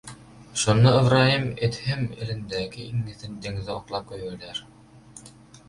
Şonda Ybraýym Edhem elindäki iňňesini deňize oklap goýberýär.